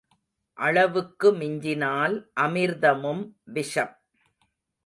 அளவுக்கு மிஞ்சினால் அமிர்தமும் விஷம்.